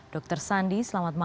dr sandi selamat malam